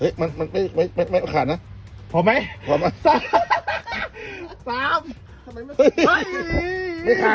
เอาไม่ว่าไหวหรอให้เอาไหวให้เอา